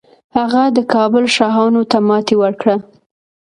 هغه د کابل شاهانو ته ماتې ورکړه